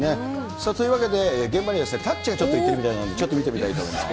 さあ、というわけで、現場にはたっちがちょっと行ってるみたいなんで、ちょっと見てみたいと思います。